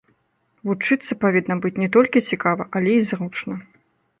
Вучыцца павінна быць не толькі цікава, але і зручна.